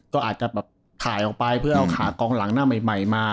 ก็อาจจะแบบถ่ายออกไปเพื่อเอาขากองหลังหน้าใหม่มา